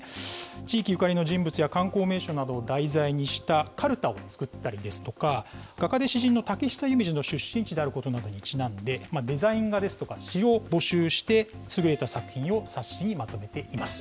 地域ゆかりの人物や、観光名所などを題材にしたかるたを作ったりですとか、画家で詩人の竹久夢二の出身地であることなどにちなんで、デザイン画ですとか、詩を募集して、優れた作品を冊子にまとめています。